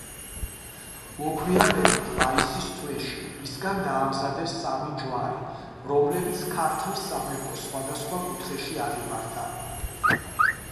მოგვიანებით, მაისის თვეში, მისგან დაამზადეს სამი ჯვარი, რომლებიც ქართლის სამეფოს სხვადასხვა კუთხეში აღიმართა.